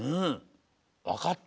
わかった！